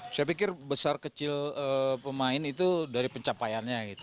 saya pikir besar kecil pemain itu dari pencapaiannya